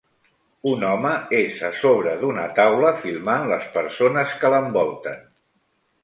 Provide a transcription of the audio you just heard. Un home és a sobre d'una taula filmant les persones que l'envolten.